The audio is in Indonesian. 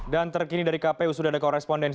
dan terkini dari kpu sudah ada koresponden